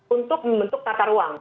untuk membentuk tata ruang